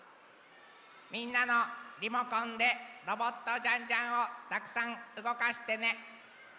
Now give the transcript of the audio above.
みんなのリモコンでロボットジャンジャンをたくさんうごかしてね！